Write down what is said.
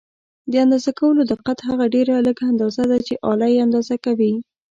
د اندازه کولو دقت هغه ډېره لږه اندازه ده چې آله یې اندازه کوي.